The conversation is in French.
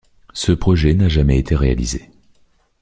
Ce projet n'a jamais été réalisé.